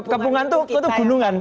kepungan itu gunungan